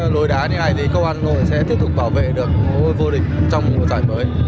lối đá như này thì công an hà nội sẽ tiếp tục bảo vệ được vô địch trong mùa giải mới